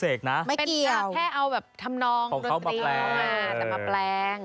เอานี้ไปแบบแบบเขาของเขาแล้วแปลง